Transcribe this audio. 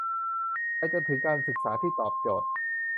ไปจนถึงการศึกษาที่ตอบโจทย์